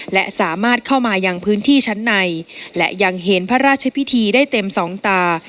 และสามารถเข้ามายังพื้นที่ชั้นในและยังเห็นพระราชพิธีได้เต็มสองตา